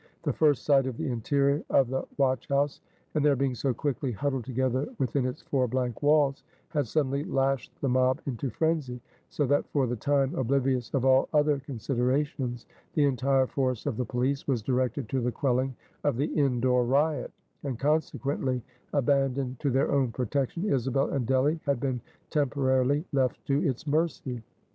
The first sight of the interior of the watch house, and their being so quickly huddled together within its four blank walls, had suddenly lashed the mob into frenzy; so that for the time, oblivious of all other considerations, the entire force of the police was directed to the quelling of the in door riot; and consequently, abandoned to their own protection, Isabel and Delly had been temporarily left to its mercy.